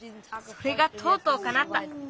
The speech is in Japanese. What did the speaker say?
それがとうとうかなった。